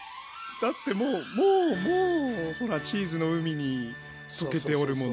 だってもうもうもうほらチーズの海に溶けておるもの。